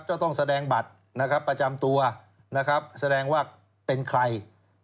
ก็ต้องแสดงบัตรประจำตัวแสดงว่าเป็นใคร